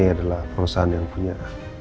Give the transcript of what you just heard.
adalah perusahaan yang punya